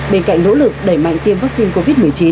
bên cạnh nỗ lực đẩy mạnh tiêm vaccine covid một mươi chín